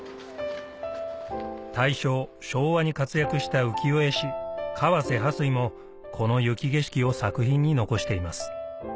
大正・昭和に活躍した浮世絵師川瀬巴水もこの雪景色を作品に残しています